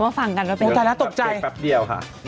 เห้ย